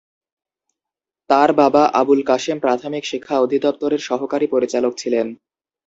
তার বাবা আবুল কাশেম প্রাথমিক শিক্ষা অধিদপ্তরের সহকারী পরিচালক ছিলেন।